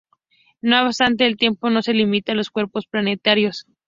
No obstante, el tiempo no se limita a los cuerpos planetarios.